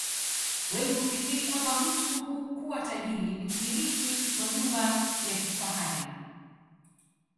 Wengi hufikiri kwamba mtu kuwa tajiri ni kumiliki majumba ya kifahari